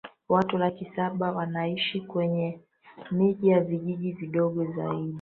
Watu laki saba wanaishi kwenye miji na vijiji vidogo zaidi